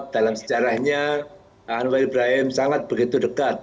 dalam sejarahnya anwar ibrahim sangat begitu dekat